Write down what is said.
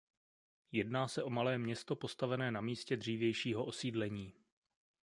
Jedná se o malé město postavené na místě dřívějšího osídlení.